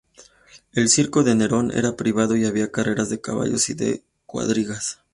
El Circo de Nerón era privado, y había carreras de caballos y de cuadrigas.